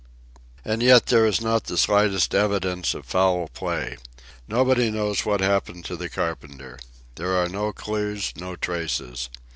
And yet there is not the slightest evidence of foul play. Nobody knows what happened to the carpenter. There are no clues, no traces.